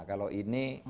kalau ini aturan pemerintah